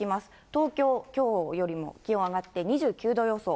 東京、きょうよりも気温上がって２９度予想。